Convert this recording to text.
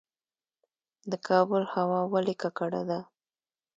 د کابل هوا ولې ککړه ده؟